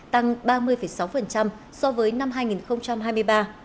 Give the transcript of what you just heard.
tăng ba mươi sáu so với năm hai nghìn hai mươi ba